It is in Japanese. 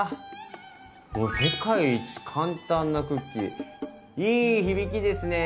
もう「世界一簡単なクッキー」いい響きですね。